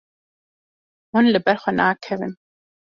Hûn li ber xwe nakevin.